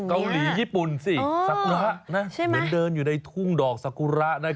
เกาหลีญี่ปุ่นสิสากุระเหมือนเดินอยู่ในทุ่งดอกสกุระ